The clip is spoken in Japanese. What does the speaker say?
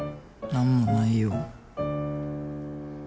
何もないよ。